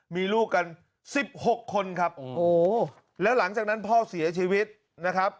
มีลูกกัน๑๖คนครับโอ้โหแล้วหลังจากนั้นพ่อเสียชีวิตนะครับ